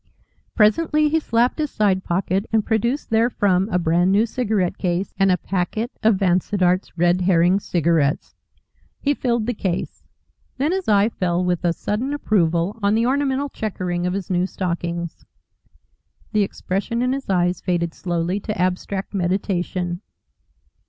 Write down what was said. Presently he slapped his side pocket and produced therefrom a brand new cigarette case and a packet of Vansittart's Red Herring cigarettes. He filled the case. Then his eye fell with a sudden approval on the ornamental chequering of his new stockings. The expression in his eyes faded slowly to abstract meditation.